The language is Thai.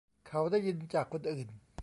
เขาได้ยินจากคนอื่น